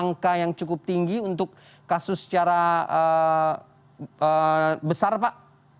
angka yang cukup tinggi untuk kasus secara besar pak